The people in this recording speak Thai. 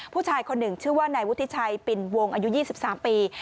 ผู้ชายคนหนึ่งชื่อว่านายวุฒิชัยปิ่นวงอายุ๒๓ปี